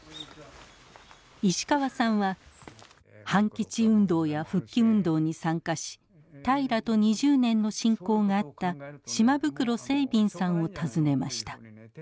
石川さんは反基地運動や復帰運動に参加し平良と２０年の親交があった島袋正敏さんを訪ねました。